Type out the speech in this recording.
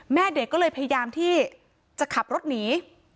แม่เด็กก็เลยพยายามที่จะขับรถหนี